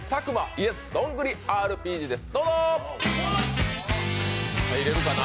ＹｅｓどんぐりＲＰＧです。